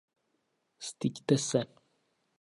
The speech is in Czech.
Styďte se.